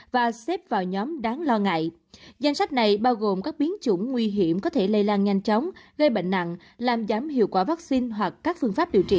và xếp ra cho các nước việt nam